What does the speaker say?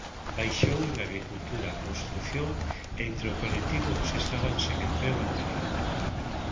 Baixou en agricultura, construción e entre o colectivo dos que estaban sen emprego anterior.